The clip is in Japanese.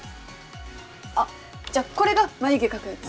あっじゃあこれが眉毛描くやつ。